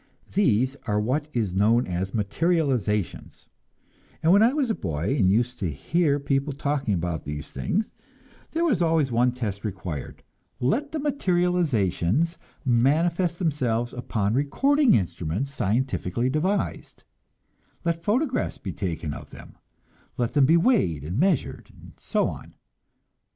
These are what is known as "materializations," and when I was a boy, and used to hear people talking about these things, there was always one test required: let the materializations manifest themselves upon recording instruments scientifically devised; let photographs be taken of them, let them be weighed and measured, and so on.